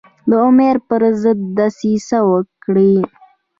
د امیر پر ضد دسیسه وکړي.